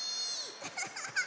アハハハッ！